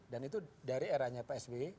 dan itu dari eranya psw